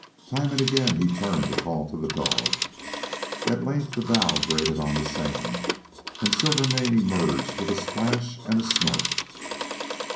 Time and again he turned to call to the dog. At length the bow grated on the sand, and Silvermane emerged with a splash and a snort.